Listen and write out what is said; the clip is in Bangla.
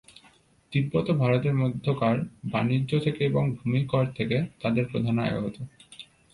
তিব্বত ও ভারতের মধ্যকার বাণিজ্য থেকে এবং ভূমি কর থেকে তাদের প্রধান আয় হতো।